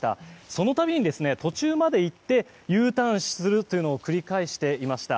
そのために、途中まで行ってＵターンするというのを繰り返していました。